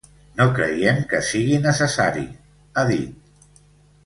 No creiem que sigui necessari, ha dit.